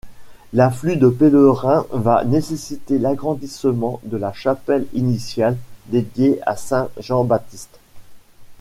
L'afflux de pèlerins va nécessiter l'agrandissement de la chapelle initiale dédiée à Sain-Jean-Baptiste.